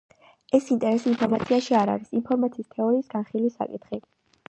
ეს ინტერესი ინფორმაციაში არ არის ინფორმაციის თეორიის განხილვის საკითხი.